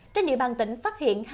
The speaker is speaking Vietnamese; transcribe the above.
trên địa bàn tỉnh phát hiện